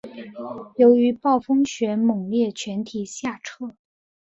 由于暴风雪猛烈全体下撤。